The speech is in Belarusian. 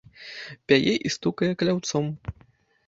Пяе і стукае кляўцом.